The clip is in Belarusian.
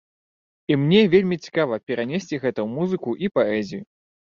І мне вельмі цікава перанесці гэта ў музыку і паэзію.